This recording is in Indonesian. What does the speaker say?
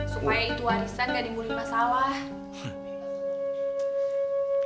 supaya itu warisan gak dibuli masalah